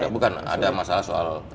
bukan ada masalah soal